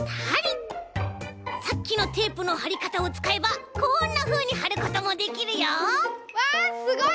さっきのテープのはりかたをつかえばこんなふうにはることもできるよ！わすごい！